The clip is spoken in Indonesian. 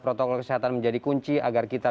protokol kesehatan menjadi kunci agar kita